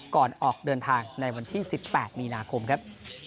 ก่อนออกเดินทางในวันที่๑๘มีนาคมครับ